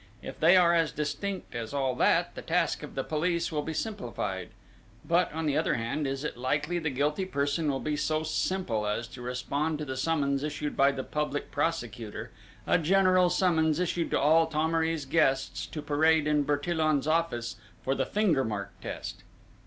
If they are as distinct as all that, the task of the police will be simplified; but, on the other hand, is it likely the guilty person will be so simple as to respond to the summons issued by the Public Prosecutor, a general summons issued to all Thomery's guests to parade in Bertillon's office for the finger mark test?...